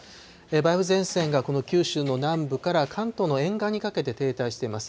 梅雨前線がこの九州の南部から関東の沿岸にかけて停滞しています。